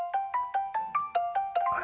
あれ？